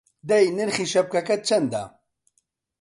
دەی نرخی شەپکەکەت چەندە!